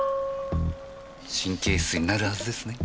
神経質になるはずですね。